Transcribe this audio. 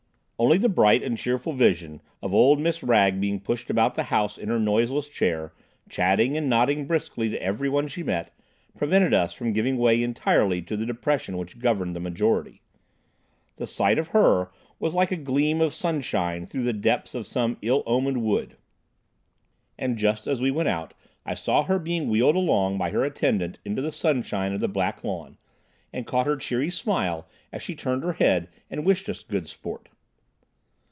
Only the bright and cheerful vision of old Miss Wragge being pushed about the house in her noiseless chair, chatting and nodding briskly to every one she met, prevented us from giving way entirely to the depression which governed the majority. The sight of her was like a gleam of sunshine through the depths of some ill omened wood, and just as we went out I saw her being wheeled along by her attendant into the sunshine of the back lawn, and caught her cheery smile as she turned her head and wished us good sport.